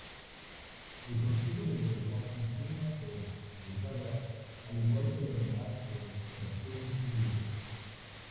El Concejo de Bogotá funciona por bancadas, al igual que las demás corporaciones públicas.